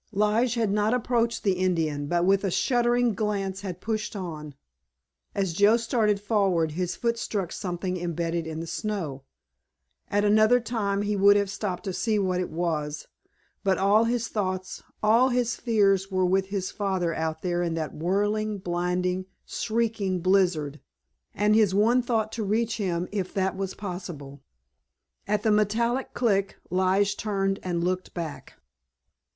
Lige had not approached the Indian, but with a shuddering glance had pushed on. As Joe started forward his foot struck something imbedded in the snow. At another time he would have stopped to see what it was, but all his thoughts, all his fears were with his father out there in that whirling, blinding, shrieking blizzard, and his one thought to reach him if that was possible. At the metallic click Lige turned and looked back.